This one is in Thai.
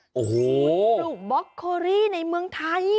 โอ้โหปลูกบล็อกโครี่ในเมืองไทย